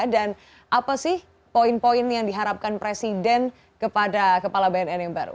dan apa sih poin poin yang diharapkan presiden kepada kepala bnn yang baru